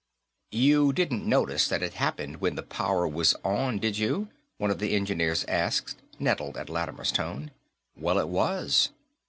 "You didn't notice that it happened when the power was on, did you," one of the engineers asked, nettled at Lattimer's tone. "Well, it was.